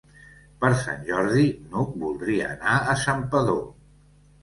Per Sant Jordi n'Hug voldria anar a Santpedor.